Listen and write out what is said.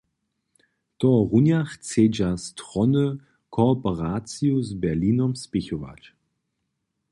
Tohorunja chcedźa strony kooperaciju z Berlinom spěchować.